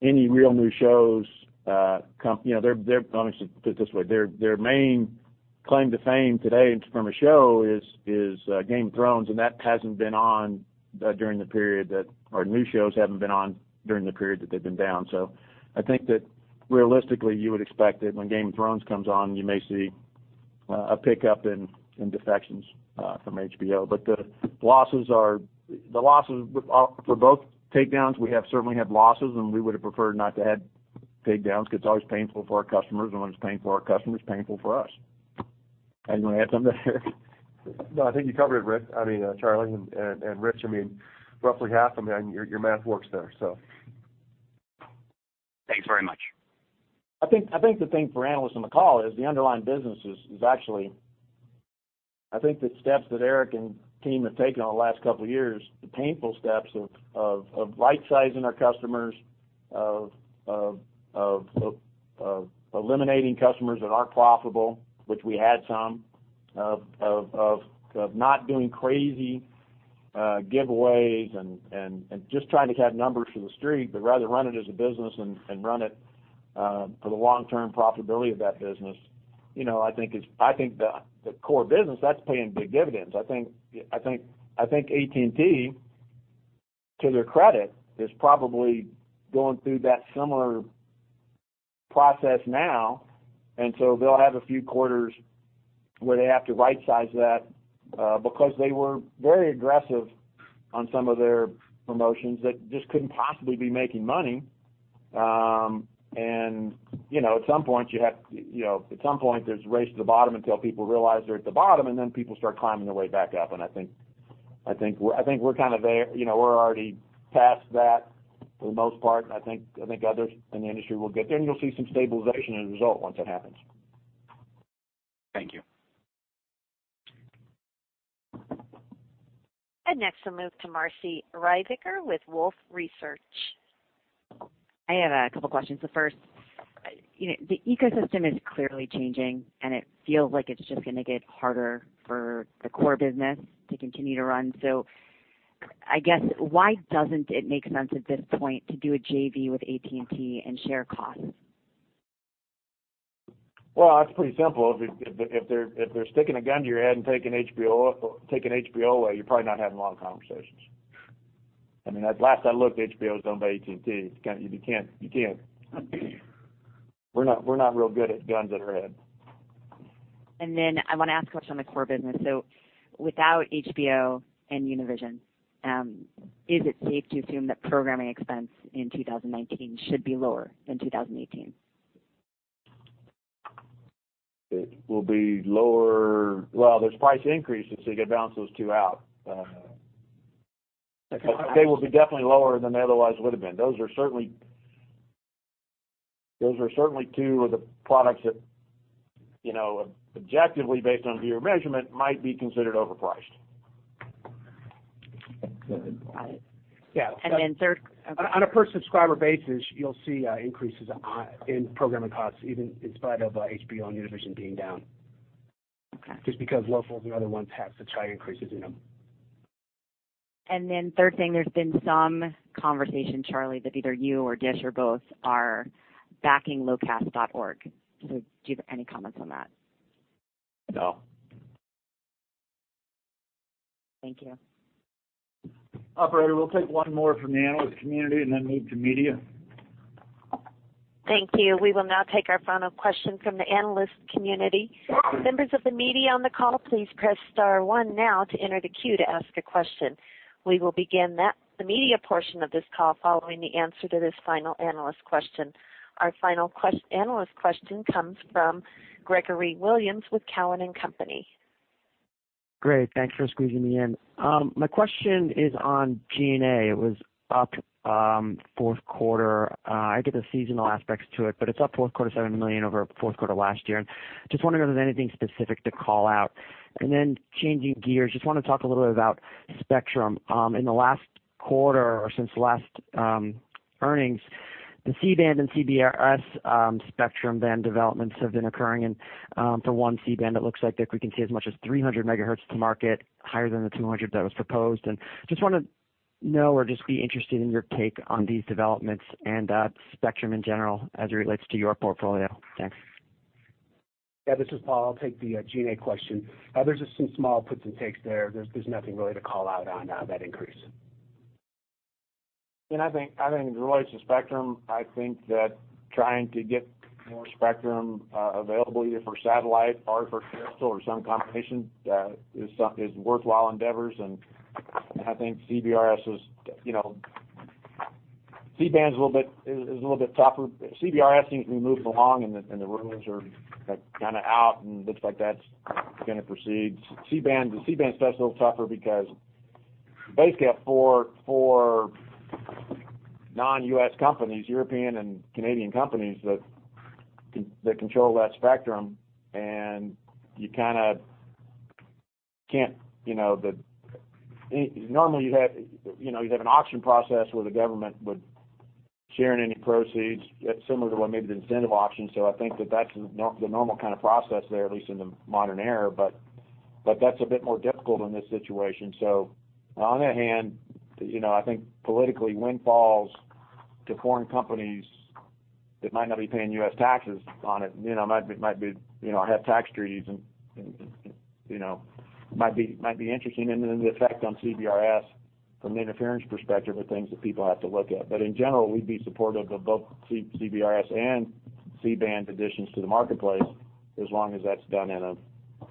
any real new shows come. You know, let me just put it this way, their main claim to fame today from a show is Game of Thrones, and that hasn't been on during the period that or new shows haven't been on during the period that they've been down. I think that realistically, you would expect that when Game of Thrones comes on, you may see a pickup in defections from HBO. The losses for both takedowns, we certainly have losses, and we would have preferred not to have takedowns because it's always painful for our customers and when it's painful for our customers, it's painful for us. You wanna add something, Erik? No, I think you covered it, Rich. I mean, Charlie and Rich. I mean, roughly half, I mean, your math works there, so. Thanks very much. I think the thing for analysts on the call is the underlying business is actually I think the steps that Erik and team have taken over the last couple of years, the painful steps of right-sizing our customers, of eliminating customers that aren't profitable, which we had some, of not doing crazy giveaways and just trying to have numbers for the street, but rather run it as a business and run it for the long-term profitability of that business. You know, I think the core business, that's paying big dividends. I think AT&T, to their credit, is probably going through that similar process now. They'll have a few quarters where they have to rightsize that because they were very aggressive on some of their promotions that just couldn't possibly be making money. You know, at some point you have, you know, at some point there's a race to the bottom until people realize they're at the bottom, and then people start climbing their way back up. I think we're kind of there. You know, we're already past that for the most part. I think others in the industry will get there, and you'll see some stabilization as a result once it happens. Thank you. Next, I'll move to Marci Ryvicker with Wolfe Research. I have a couple questions. The first, you know, the ecosystem is clearly changing, and it feels like it's just gonna get harder for the core business to continue to run. I guess why doesn't it make sense at this point to do a JV with AT&T and share costs? Well, that's pretty simple. If they're sticking a gun to your head and taking HBO away, you're probably not having long conversations. I mean, at last I looked, HBO was owned by AT&T. It's kinda. You can't. We're not real good at guns at our head. I wanna ask a question on the core business. Without HBO and Univision, is it safe to assume that programming expense in 2019 should be lower than 2018? It will be lower. Well, there's price increases, so you gotta balance those two out. Okay. They will be definitely lower than they otherwise would have been. Those are certainly two of the products that, you know, objectively, based on viewer measurement, might be considered overpriced. Got it. Yeah. And then third- On a per-subscriber basis, you'll see increases in programming costs, even in spite of HBO and Univision being down. Okay. Just because locals and other ones have such high increases in them. Third thing, there's been some conversation, Charlie, that either you or Dish or both are backing locast.org. Do you have any comments on that? No. Thank you. Operator, we'll take one more from the analyst community and then move to media. Thank you. We will now take our final question from the analyst community. Members of the media on the call, please press star one now to enter the queue to ask a question. We will begin the media portion of this call following the answer to this final analyst question. Our final analyst question comes from Gregory Williams with Cowen and Company. Great, thanks for squeezing me in. My question is on G&A. It was up fourth quarter. I get the seasonal aspects to it, but it's up fourth quarter, $7 million over fourth quarter last year. Just wondering if there's anything specific to call out. Changing gears, just wanna talk a little bit about spectrum. In the last quarter or since last earnings, the C-band and CBRS spectrum band developments have been occurring. For one C-band, it looks like that we can see as much as 300 megahertz to market, higher than the 200 that was proposed. Just wanna know or just be interested in your take on these developments and spectrum in general as it relates to your portfolio. Thanks. Yeah, this is Paul. I'll take the G&A question. There's just some small puts and takes there. There's nothing really to call out on that increase. As it relates to spectrum, I think that trying to get more spectrum available either for satellite or for terrestrial or some combination is worthwhile endeavors. CBRS is, you know, C-band's a little bit tougher. CBRS seems to be moving along, and the rules are kind of out and looks like that's gonna proceed. C-band, the C-band stuff's a little tougher because you basically have four non-U.S. companies, European and Canadian companies that they control that spectrum. You kinda can't, you know, Normally, you'd have, you know, you'd have an auction process where the government would share in any proceeds, similar to what maybe the incentive auction. That's the normal kind of process there, at least in the modern era. That's a bit more difficult in this situation. On the other hand, you know, I think politically windfalls to foreign companies that might not be paying U.S. taxes on it, you know, might have tax treaties and, you know, might be interesting. The effect on CBRS from the interference perspective are things that people have to look at. In general, we'd be supportive of both C-CBRS and C-band additions to the marketplace, as long as that's done in a,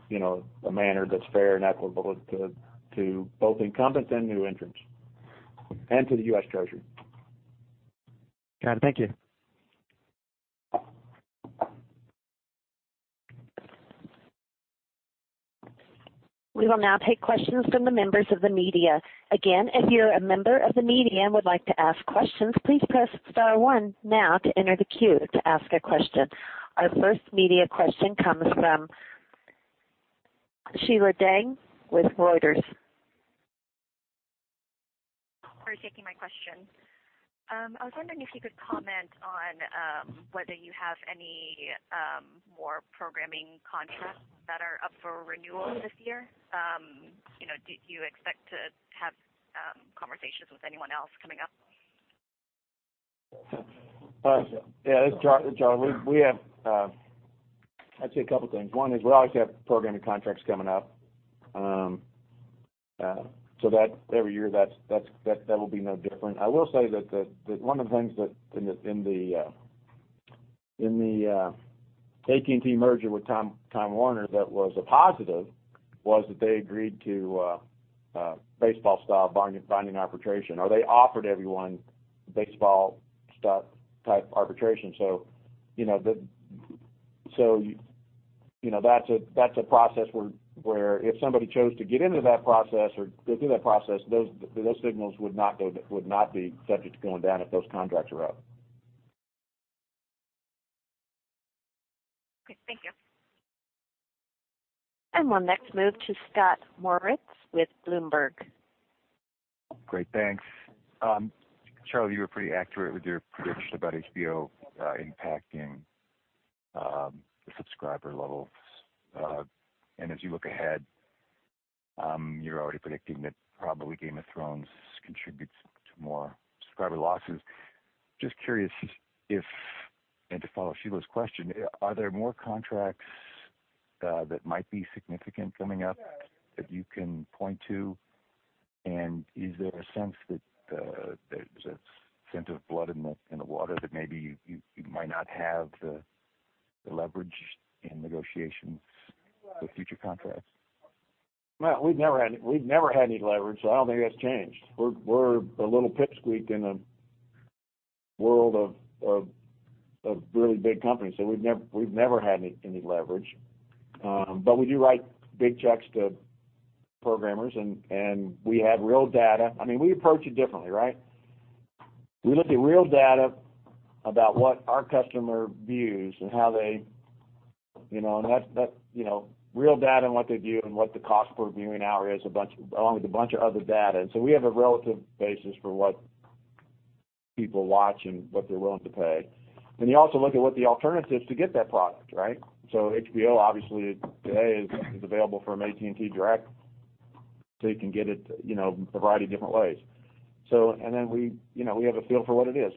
you know, a manner that's fair and equitable to both incumbents and new entrants and to the U.S. Treasury. Got it. Thank you. We will now take questions from the members of the media. Again, if you're a member of the media and would like to ask questions, please press star one now to enter the queue to ask a question. Our first media question comes from Sheila Dang with Reuters. Thanks for taking my question. I was wondering if you could comment on whether you have any more programming contracts that are up for renewal this year. you know, do you expect to have conversations with anyone else coming up? Yeah, this is Charlie. We have I'd say a couple things. One is we always have programming contracts coming up. That every year, that will be no different. I will say that one of the things that in the AT&T merger with Time Warner that was a positive was that they agreed to baseball style binding arbitration, or they offered everyone baseball style type arbitration. You know, you know, that's a process where if somebody chose to get into that process or go through that process, those signals would not go, would not be subject to going down if those contracts are up. Okay. Thank you. We'll next move to Scott Moritz with Bloomberg. Great. Thanks. Charlie, you were pretty accurate with your prediction about HBO, impacting the subscriber levels. As you look ahead, you're already predicting that probably Game of Thrones contributes to more subscriber losses. Just curious if, to follow Sheila's question, are there more contracts that might be significant coming up that you can point to? Is there a sense that there's a scent of blood in the water that maybe you might not have the leverage in negotiations for future contracts? We've never had any leverage. I don't think that's changed. We're a little pipsqueak in a world of really big companies. We've never had any leverage. We do write big checks to programmers and we have real data. I mean, we approach it differently, right? We look at real data about what our customer views and how they, you know, and that's, you know, real data on what they view and what the cost per viewing hour is along with a bunch of other data. We have a relative basis for what people watch and what they're willing to pay. You also look at what the alternative is to get that product, right? HBO, obviously today is available from AT&T Direct, so you can get it, you know, a variety of different ways. We, you know, we have a feel for what it is.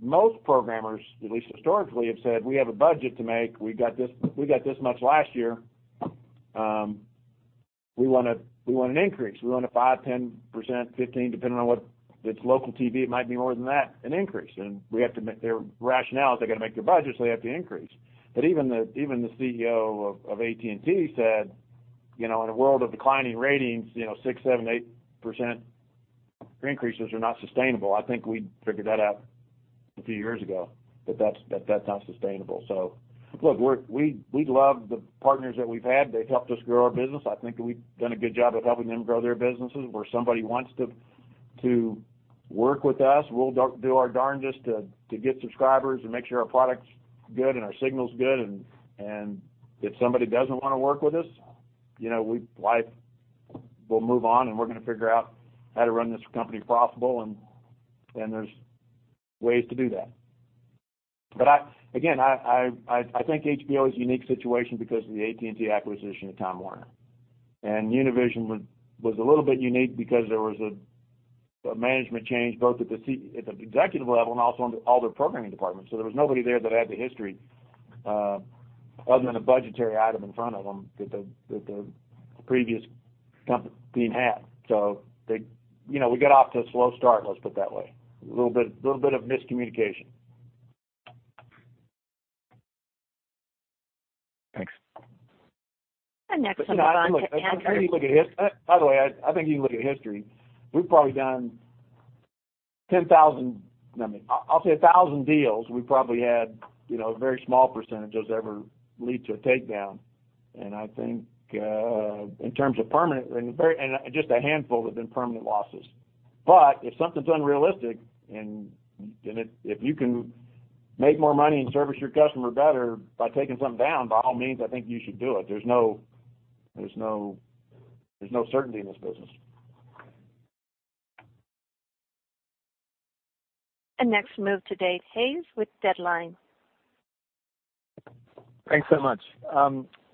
Most programmers, at least historically, have said, "We have a budget to make. We got this, we got this much last year. We want an increase. We want a 5%, 10%, 15%, depending on what." If it's local TV, it might be more than that, an increase. Their rationale is they got to make their budget, so they have to increase. Even the Chief Executive Officer of AT&T said, you know, in a world of declining ratings, you know, 6%, 7%, 8% increases are not sustainable. I think we figured that out a few years ago, that's not sustainable. Look, we love the partners that we've had. They've helped us grow our business. I think we've done a good job of helping them grow their businesses. Where somebody wants to work with us, we'll do our darnedest to get subscribers and make sure our product's good and our signal's good. If somebody doesn't want to work with us, you know, we'll move on, and we're gonna figure out how to run this company profitable and there's ways to do that. I again, I think HBO is a unique situation because of the AT&T acquisition of Time Warner. Univision was a little bit unique because there was a management change both at the executive level and also in all their programming departments. There was nobody there that had the history other than a budgetary item in front of them that the previous company had. They, you know, we got off to a slow start, let's put it that way. A little bit of miscommunication. Thanks. Next on the phone, You know, look, if you look at by the way, I think if you look at history, we've probably done 10,000 I mean, I'll say 1,000 deals, we probably had, you know, a very small percentage those ever lead to a takedown. I think, in terms of permanent and just a handful have been permanent losses. If something's unrealistic and if you can make more money and service your customer better by taking something down, by all means, I think you should do it. There's no certainty in this business. Next, move to Dade Hayes with Deadline. Thanks so much.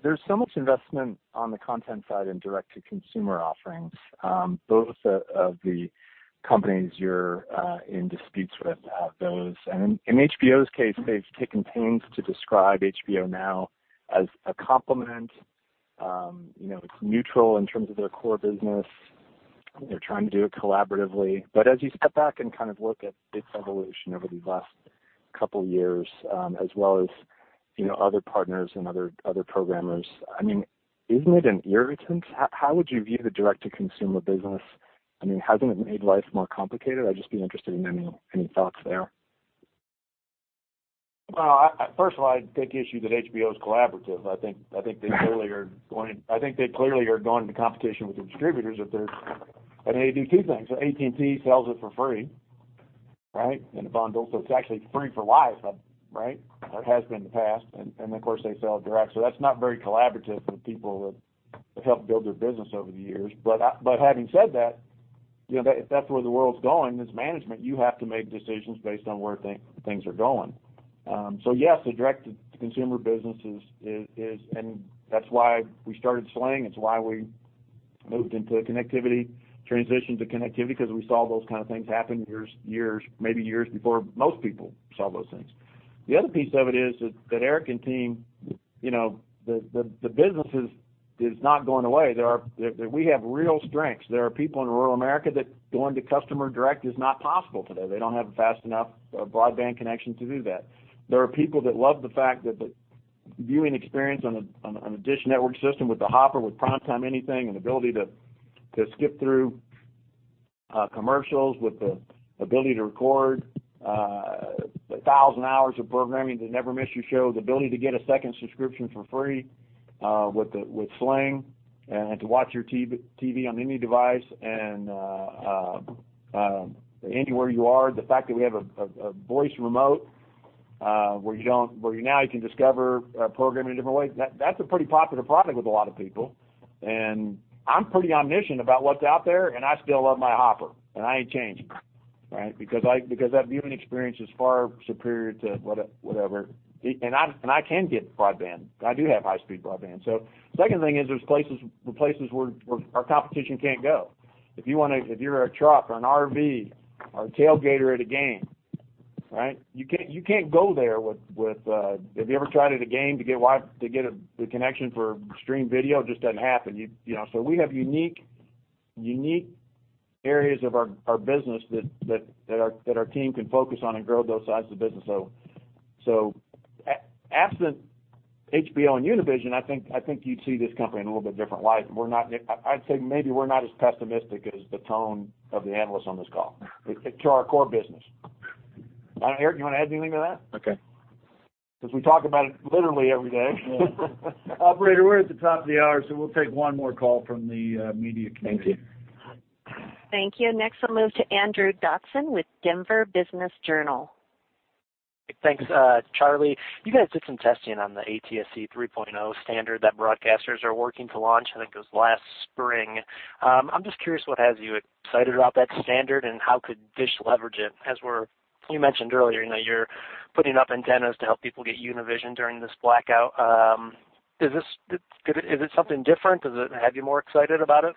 There's so much investment on the content side in direct-to-consumer offerings. Both of the companies you're in disputes with have those. In HBO's case, they've taken pains to describe HBO Now as a complement. You know, it's neutral in terms of their core business. They're trying to do it collaboratively. As you step back and kind of look at its evolution over these last couple years, as well as, you know, other partners and other programmers, I mean, isn't it an irritant? How would you view the direct-to-consumer business? I mean, hasn't it made life more complicated? I'd just be interested in any thoughts there. Well, I, first of all, I'd take issue that HBO is collaborative. I think they clearly are going into competition with their distributors if they're They do two things. AT&T sells it for free, right? In a bundle, it's actually free for life, right? It has been in the past, and of course, they sell it direct. That's not very collaborative for the people that have helped build their business over the years. Having said that, you know, if that's where the world's going, as management, you have to make decisions based on where things are going. Yes, the direct-to-consumer business is and that's why we started Sling. It's why we moved into connectivity, transitioned to connectivity, because we saw those kind of things happen years, maybe years before most people saw those things. The other piece of it is that Erik and team, you know, the business is not going away. We have real strengths. There are people in rural America that going to customer direct is not possible today. They don't have a fast enough broadband connection to do that. There are people that love the fact that the viewing experience on a, on a, on a DISH Network system with the Hopper, with PrimeTime Anytime and ability to skip through commercials, with the ability to record a thousand hours of programming to never miss your show, the ability to get a second subscription for free with Sling and to watch your TV on any device and anywhere you are. The fact that we have a voice remote where you now you can discover programming in different ways, that's a pretty popular product with a lot of people. And I'm pretty omniscient about what's out there, and I still love my Hopper, and I ain't changing, right? Because that viewing experience is far superior to whatever. I can get broadband. I do have high speed broadband. Second thing is there's places where our competition can't go. If you're a truck or an RV or a tailgater at a game, right? You can't go there with Have you ever tried at a game to get the connection for stream video? Just doesn't happen. You know. We have unique areas of our business that our team can focus on and grow those sides of the business. Absent HBO and Univision, I think you'd see this company in a little bit different light. We're not maybe we're not as pessimistic as the tone of the analysts on this call to our core business. I don't know, Erik, you wanna add anything to that? Okay. We talk about it literally every day. Yeah. Operator, we're at the top of the hour, so we'll take one more call from the media community. Thank you. Thank you. Next we'll move to Andrew Dodson with Denver Business Journal. Thanks, Charlie. You guys did some testing on the ATSC 3.0 standard that broadcasters are working to launch, I think it was last spring. I'm just curious what has you excited about that standard and how could DISH leverage it? You mentioned earlier, you know, you're putting up antennas to help people get Univision during this blackout. Is it something different? Does it have you more excited about it?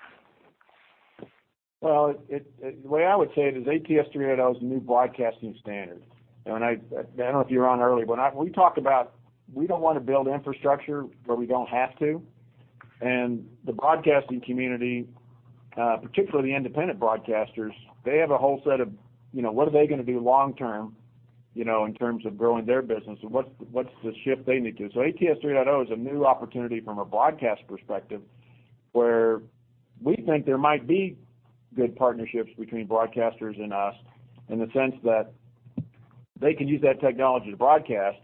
Well, the way I would say it is ATSC 3.0 is the new broadcasting standard. I don't know if you were on earlier. We talked about we don't wanna build infrastructure where we don't have to. The broadcasting community, particularly the independent broadcasters, they have a whole set of, you know, what are they gonna do long term, you know, in terms of growing their business and what's the shift they need to. ATSC 3.0 is a new opportunity from a broadcast perspective, where we think there might be good partnerships between broadcasters and us in the sense that they can use that technology to broadcast,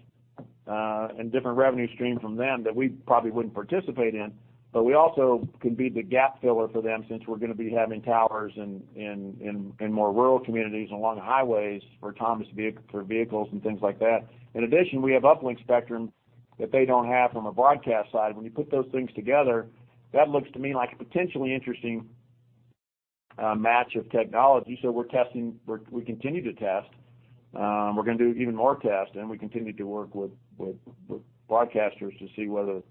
and different revenue stream from them that we probably wouldn't participate in. We also can be the gap filler for them since we're gonna be having towers in more rural communities and along highways for autonomous vehicles and things like that. In addition, we have uplink spectrum that they don't have from a broadcast side. When you put those things together, that looks to me like a potentially interesting match of technology. We're testing. We continue to test. We're gonna do even more testing, and we continue to work with broadcasters to see whether,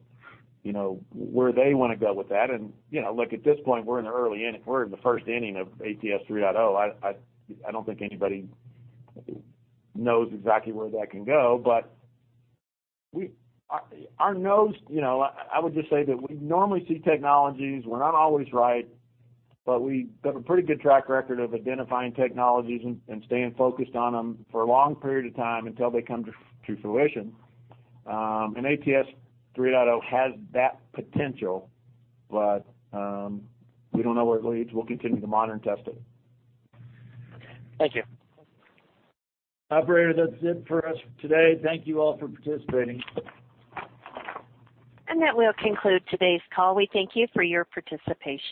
you know, where they wanna go with that. You know, look, at this point, we're in the early inning. We're in the first inning of ATSC 3.0. I don't think anybody knows exactly where that can go. You know, I would just say that we normally see technologies, we're not always right, but we got a pretty good track record of identifying technologies and staying focused on them for a long period of time until they come to fruition. ATSC 3.0 has that potential, but we don't know where it leads. We'll continue to monitor and test it. Thank you. Operator, that's it for us today. Thank you all for participating. That will conclude today's call. We thank you for your participation.